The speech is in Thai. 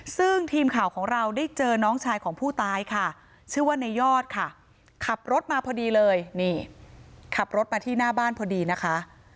ซึ่งทีมข่าวของเราได้เจอน้องชายของผู้ตายค่ะชื่อว่าในยอดค่ะขับรถมาพอดีเลยนี่ขับรถมาที่หน้าบ้านพอดีนะคะ